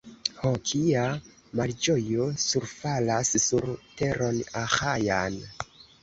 Ho, kia malĝojo surfalas sur teron Aĥajan!